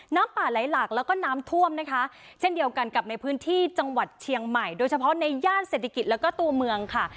น้ำป่าไหลหลากแล้วก็น้ำท่วมนะคะเช่นเดียวกันกับในพื้นที่จังหวัดเชียงใหม่โดยเฉพาะในย่านเศรษฐกิจแล้วก็ตัวเมืองค่ะ